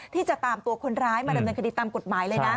ที่จะตามตัวคนร้ายมาดำเนินคดีตามกฎหมายเลยนะ